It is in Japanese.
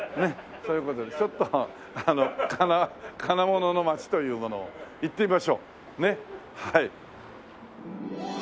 という事でちょっとあの金物の町というものを行ってみましょうねっはい。